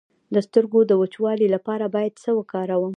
د سترګو د وچوالي لپاره باید څه وکاروم؟